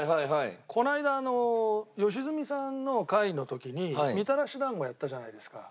この間良純さんの回の時にみたらし団子やったじゃないですか。